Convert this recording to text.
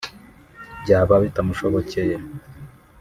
byaba bitamushobokeye